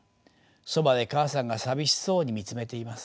そばで母さんが寂しそうに見つめています。